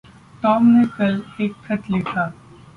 Tom ने कल एक ख़त लिखा।